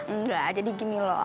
enggak jadi gini loh